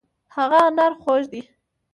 هغه انار خوږ دی.